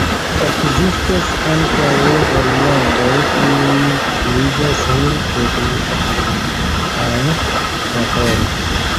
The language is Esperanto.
Ekzistas ankaŭ variantoj, kiuj purigas helpe de akvo aŭ vaporo.